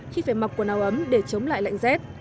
khi phải mặc quần áo ấm để chống lại lạnh rét